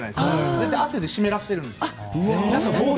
大体、汗で湿らせているんです。